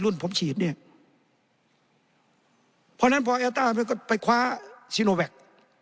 รุ่นผมฉีดนี่เพราะฉะนั้นพอแอตต้าไปคว้าซีโนแวค